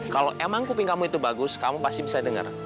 kalau emang kuping kamu itu bagus kamu pasti bisa dengar